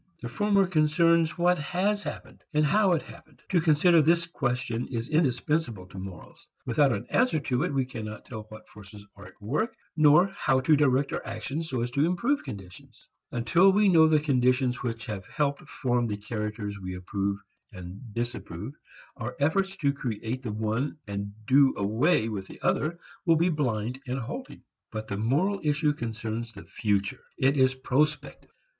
The former concerns what has happened, and how it happened. To consider this question is indispensable to morals. Without an answer to it we cannot tell what forces are at work nor how to direct our actions so as to improve conditions. Until we know the conditions which have helped form the characters we approve and disapprove, our efforts to create the one and do away with the other will be blind and halting. But the moral issue concerns the future. It is prospective.